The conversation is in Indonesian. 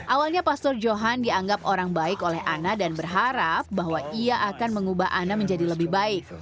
awalnya pastor johan dianggap orang baik oleh ana dan berharap bahwa ia akan mengubah ana menjadi lebih baik